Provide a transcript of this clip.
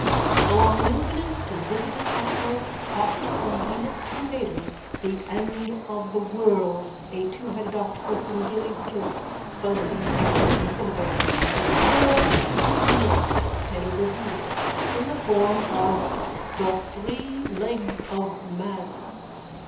Along an infinite invisible tightrope taut from zenith to nadir the End of the World, a twoheaded octopus in gillie's kilts, busby and tartan filibegs, whirls through the murk, head over heels, in the form of the Three Legs of Man.)